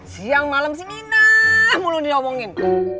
siang malam si minah mulu dilowongin